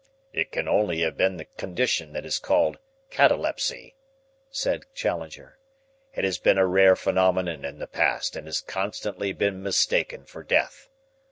"It can only have been the condition that is called catalepsy," said Challenger. "It has been a rare phenomenon in the past and has constantly been mistaken for death.